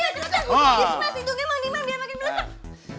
yes mas itu emang ni memang dia makan belasak